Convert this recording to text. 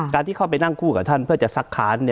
ที่เข้าไปนั่งคู่กับท่านเพื่อจะซักค้าน